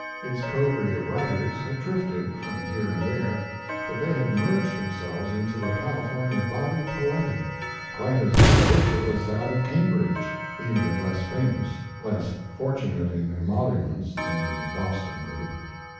Its coterie of writers had drifted from here and there, but they had merged themselves into a California body poetic, quite as individual as that of Cambridge, even if less famous, less fortunate in emoluments than the Boston group.